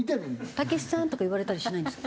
「たけしさん」とか言われたりしないんですか？